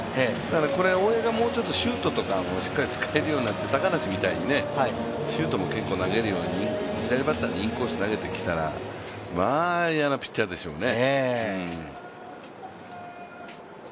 これ、大江がシュートとかももっと使えるようになって高梨みたいにシュートも結構投げるように、左バッターにインコース投げてきたら、まあ嫌なピッチャーでしょうね。